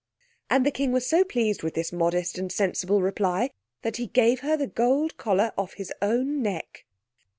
And the King was so pleased with this modest and sensible reply that he gave her the gold collar off his own neck.